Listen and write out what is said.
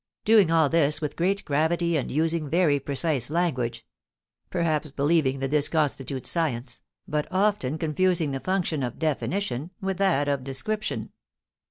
doing all this with great gravity and using very precise language (perhaps believing that this constitutes science), but often confusing the function of definition with that of description.